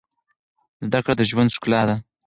زده کړه د ژوند ښکلا ده.